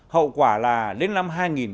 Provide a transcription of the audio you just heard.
hậu quả là đến năm hai nghìn một mươi ba